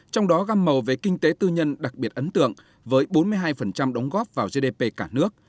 trong đó gam màu về kinh tế tư nhân đặc biệt ấn tượng với bốn mươi hai đóng góp vào gdp cả nước